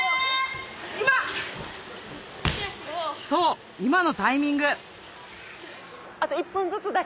そう今のタイミングいやいや。